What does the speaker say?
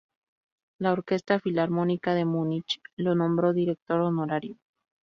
La Orquesta Filarmónica de Múnich lo nombró Director Honorario.